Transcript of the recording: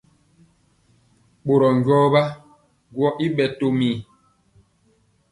Ɓorɔ jɔɔ wa gɔ i ɓɛ tom wen.